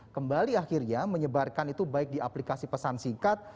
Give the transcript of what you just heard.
kembali akhirnya menyebarkan itu baik di aplikasi pesan singkat